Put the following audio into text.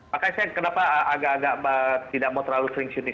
makanya saya kenapa agak agak tidak mau terlalu sering syuting